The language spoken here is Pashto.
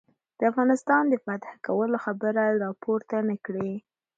د افغانستان د فتح کولو خبره را پورته نه کړي.